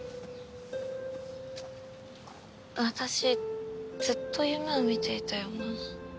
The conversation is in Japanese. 私ずっと夢を見ていたような。